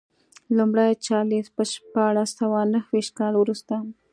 لومړی چارلېز په شپاړس سوه نهویشت کال وروسته.